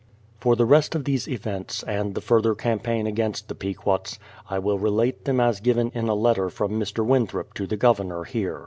For the rest of these events, and the further campaign against the Pequots, I will relate them as given in a letter from Mr. Winthrop to the Governor here.